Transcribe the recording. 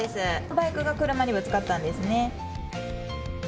バイクが車にぶつかったんですね。